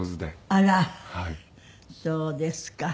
あらそうですか。